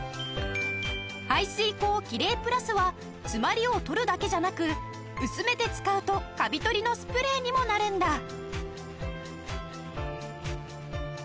排水口キレイプラスはつまりを取るだけじゃなく薄めて使うとカビ取りのスプレーにもなるんだ。